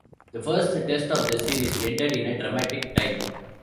The first Test of the series ended in a dramatic tie.